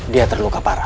dia terluka parah